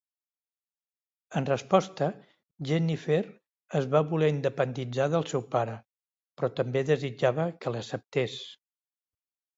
En resposta, Jennifer es va voler independitzar del seu pare, però també desitjava que l'acceptés.